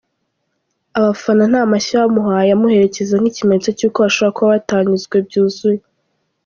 Abafana nta mashyi bamuhaye amuherekeza nk’ikimenyetso cy’uko bashobora kuba batanyuzwe byuzuye!.